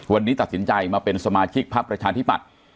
วันนี้ตัดสินใจมาเป็นสมาชิกพักประชาธิปัตย์